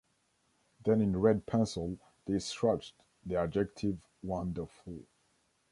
Then in red pencil they scratched the adjective 'wonderful'.